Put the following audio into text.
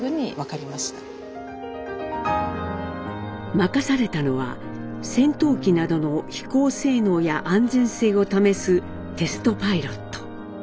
任されたのは戦闘機などの飛行性能や安全性を試す「テストパイロット」。